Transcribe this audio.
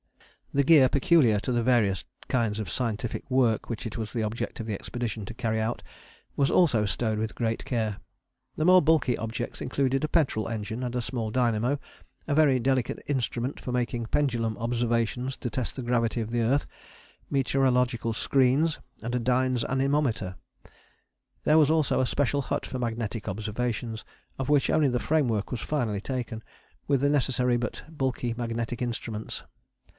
The gear peculiar to the various kinds of scientific work which it was the object of the expedition to carry out was also stowed with great care. The more bulky objects included a petrol engine and small dynamo, a very delicate instrument for making pendulum observations to test the gravity of the earth, meteorological screens, and a Dines anemometer. There was also a special hut for magnetic observations, of which only the framework was finally taken, with the necessary but bulky magnetic instruments.